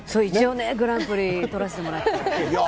一応ね、グランプリ取らせてもらって。